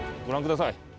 ご覧ください。